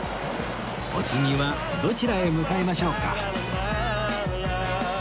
お次はどちらへ向かいましょうか？